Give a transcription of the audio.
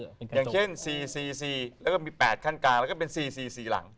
อย่างเช่น๔๔๔แล้วก็มี๘ขั้นกลางแล้วก็เป็น๔๔หลัง